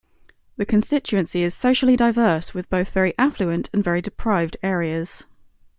The constituency is socially diverse, with both very affluent and very deprived areas.